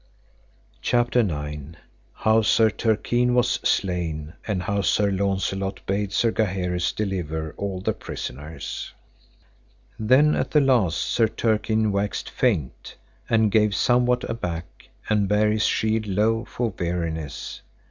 CHAPTER IX. How Sir Turquine was slain, and how Sir Launcelot bade Sir Gaheris deliver all the prisoners. Then at the last Sir Turquine waxed faint, and gave somewhat aback, and bare his shield low for weariness.